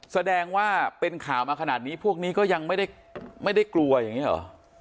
แสดงว่าเป็นข่าวมาขนาดนี้พวกนี้ก็ยังไม่ได้กลัวอย่างนี้หรอ